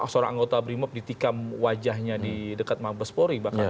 seorang anggota brimob ditikam wajahnya di dekat mabespori bahkan